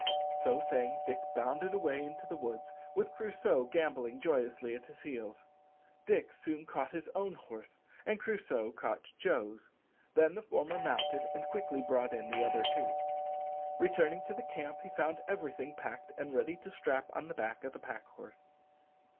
So saying Dick bounded away into the woods, with Crusoe gambolling joyously at his heels. Dick soon caught his own horse, and Crusoe caught Joe's. Then the former mounted and quickly brought in the other two. Returning to the camp he found everything packed and ready to strap on the back of the pack horse.